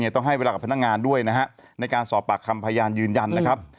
ต้องให้เวลากับพนักงานด้วยนะฮะในการสอบปากคำพยานยืนยันนะครับ